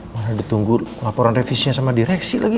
malah ditunggu laporan revisinya sama direksi lagi